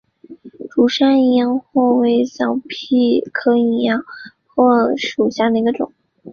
竹山淫羊藿为小檗科淫羊藿属下的一个种。